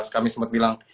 kami sempat bilang